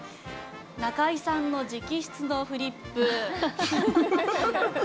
中居さんの直筆のフリップ。